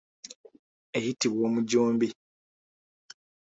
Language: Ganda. Eyitibwa omujumbi.